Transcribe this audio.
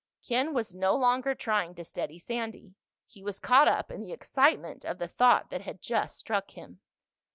Ken was no longer trying to steady Sandy. He was caught up in the excitement of the thought that had just struck him.